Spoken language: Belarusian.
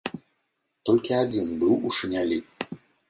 Толькі адзін быў у шынялі.